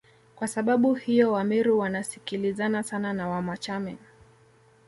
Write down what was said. Kwa sababu hiyo Wameru wanasikilizana sana na Wamachame